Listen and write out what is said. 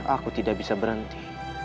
aku tidak bisa berhenti